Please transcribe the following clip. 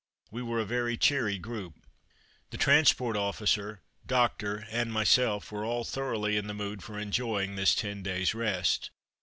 We were a very cheery group. The transport officer, doctor and myself were all thoroughly in the mood for enjoying this ten days' rest.